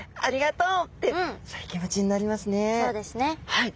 はい。